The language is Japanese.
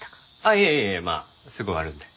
いえいえいえまあすぐ終わるので。